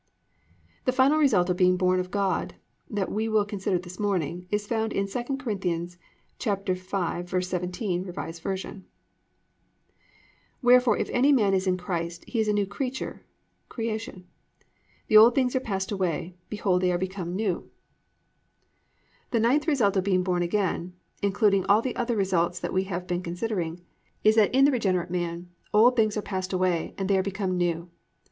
8. The final result of being born of God that we will consider this morning is found in 2 Cor. 5:17, R. V., +"Wherefore if any man is in Christ, he is a new creature (creation): the old things are passed away, behold, they are become new."+ The ninth result of being born again, including all the other results that we have been considering, _is that in the regenerate man, old things are passed away, they are become new.